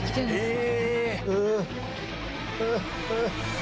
え！